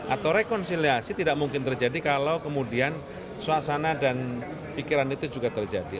atau rekonsiliasi tidak mungkin terjadi kalau kemudian suasana dan pikiran itu juga terjadi